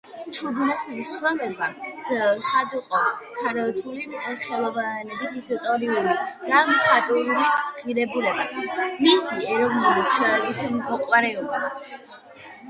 ჩუბინაშვილის შრომებმა ცხადყო ქართული ხელოვნების ისტორიული და მხატვრული ღირებულება, მისი ეროვნული თვითმყოფადობა.